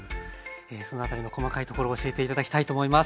そのあたりの細かいところを教えて頂きたいと思います。